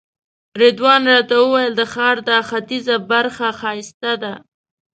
رضوان راته وویل د ښار دا ختیځه برخه ښایسته ده.